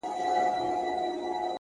هدف لرونکی ژوند ګډوډۍ ته ځای نه پرېږدي